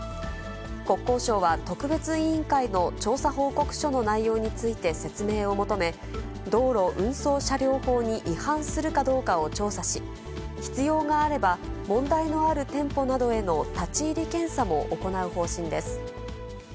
国交省は特別委員会の調査報告書の内容について説明を求め、道路運送車両法に違反するかどうかを調査し、必要があれば問題のある店舗などへの立ち入り検査も行う方針です。